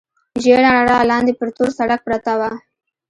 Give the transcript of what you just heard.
ژېړه رڼا، لاندې پر تور سړک پرته وه.